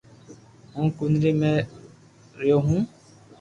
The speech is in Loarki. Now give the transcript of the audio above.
ھون ڪنري مي ريون هون